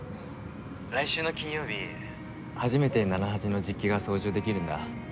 来週の金曜日初めてナナハチの実機が操縦できるんだ。